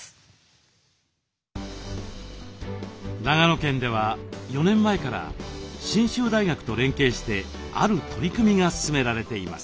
長野県では４年前から信州大学と連携してある取り組みが進められています。